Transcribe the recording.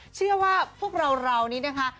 เชื่อว่าพวกเรานี้นะคะ